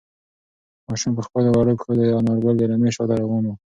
ماشوم په خپلو وړو پښو د انارګل د رمې شاته روان و.